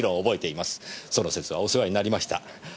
その節はお世話になりました。